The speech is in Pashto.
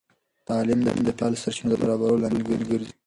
تعلیم د فیدرال سرچینو د برابرولو لامل ګرځي.